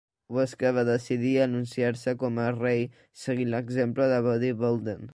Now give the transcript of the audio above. Watzke va decidir anunciar-se com el "rei" seguint l'exemple de Buddy Bolden.